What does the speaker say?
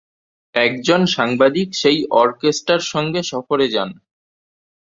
একজন সাংবাদিক সেই অর্কেস্ট্রার সঙ্গে সফরে যান।